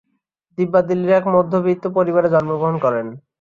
দিব্যা দিল্লীর এক মধ্যবিত্ত পরিবারে জন্মগ্রহণ করেন।